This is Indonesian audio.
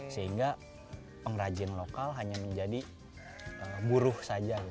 sehingga pengrajin lokal hanya menjadi buruh saja